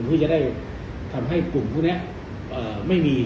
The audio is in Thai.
เพื่อจะทำให้กลุ่มคุณเนี้ย